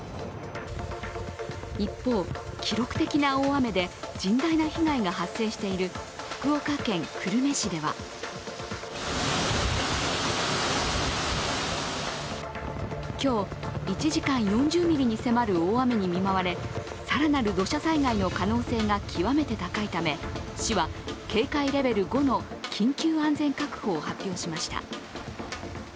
一方、記録的な大雨で、甚大な被害が発生している福岡県久留米市では今日、１時間４０ミリに迫る大雨に見舞われ、更なる土砂災害の可能性が極めて高いため市は警戒レベル５の緊急安全確保を発表しました。